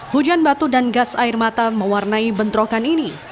hujan batu dan gas air mata mewarnai bentrokan ini